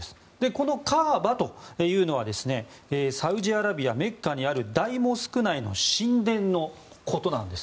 このカーバというのはサウジアラビア・メッカにある大モスク内の神殿のことです。